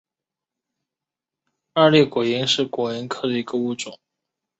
二裂果蝇是果蝇科的一个物种。